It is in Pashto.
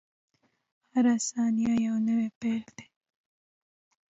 • هره ثانیه یو نوی پیل دی.